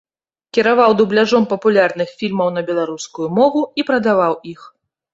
Кіраваў дубляжом папулярных фільмаў на беларускую мову і прадаваў іх.